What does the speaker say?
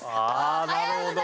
なるほど。